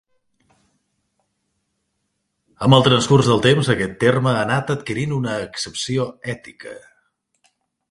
Amb el transcurs del temps, aquest terme ha anat adquirint una accepció ètica.